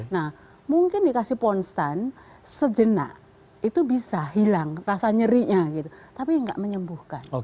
nah mungkin dikasih ponstan sejenak itu bisa hilang rasa nyerinya gitu tapi nggak menyembuhkan